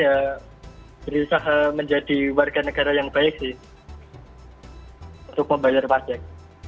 ya respon saya ya berusaha menjadi warga negara yang baik sih untuk membayar pajak